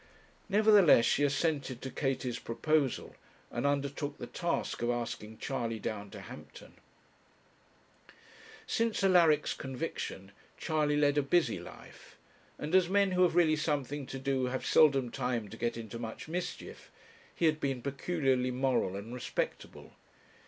Nevertheless she assented to Katie's proposal, and undertook the task of asking Charley down to Hampton. Since Alaric's conviction Charley led a busy life; and as men who have really something to do have seldom time to get into much mischief, he had been peculiarly moral and respectable.